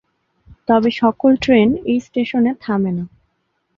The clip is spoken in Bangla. তবে সকল ট্রেন এই স্টেশনে থামে না।